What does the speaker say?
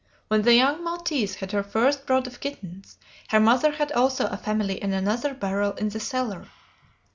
When the young maltese had her first brood of kittens, her mother had also a family in another barrel in the cellar.